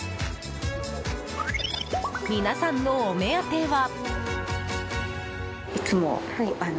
皆さんのお目当ては。